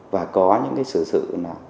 và có những cái sự sự là